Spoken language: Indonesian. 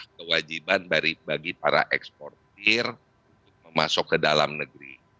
ada kewajiban bagi para eksportir untuk memasuk ke dalam negeri